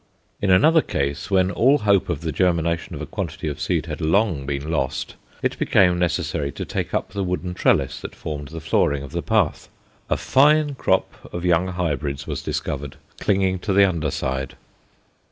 In another case, when all hope of the germination of a quantity of seed had long been lost, it became necessary to take up the wooden trellis that formed the flooring of the path; a fine crop of young hybrids was discovered clinging to the under side.